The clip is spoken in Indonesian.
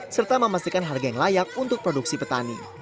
serta memastikan harga yang layak untuk produksi petani